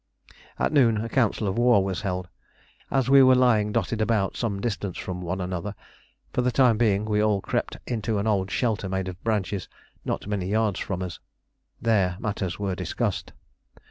At noon a council of war was held. As we were lying dotted about some distance from one another, for the time being we all crept into an old shelter made of branches, not many yards from us. There matters were discussed.